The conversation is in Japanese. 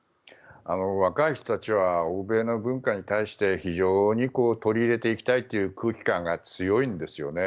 若い人たちは欧米の文化に対して非常に取り入れていきたいという空気感が強いんですよね。